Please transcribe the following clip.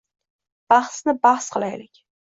Bahsni bas qilaylik